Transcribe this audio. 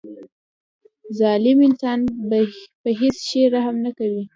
ظالم انسان په هیڅ شي رحم نه کوي.